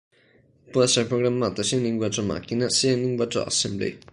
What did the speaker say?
Può essere programmato sia in linguaggio macchina sia in linguaggio Assembly.